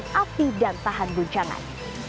yang api dan tahan guncangan